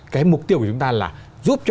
cái mục tiêu của chúng ta là giúp cho